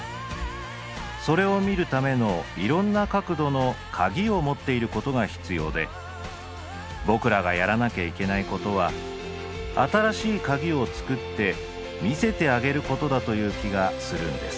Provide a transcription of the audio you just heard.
それを見るためのいろんな角度の鍵を持っていることが必要で僕らがやらなきゃいけないことは新しい鍵を作って見せてあげることだという気がするんです」。